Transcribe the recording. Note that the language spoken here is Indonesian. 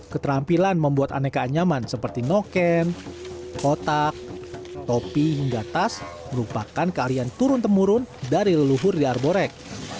keterampilan membuat aneka anyaman seperti noken kotak topi hingga tas merupakan kearian turun temurun dari leluhur di arborek